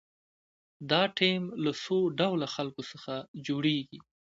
دا ټیم له څو ډوله خلکو څخه جوړیږي.